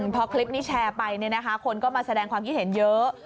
พอคลิปนี้แชร์ไปคนก็มาแสดงความคิดเห็นเยอะ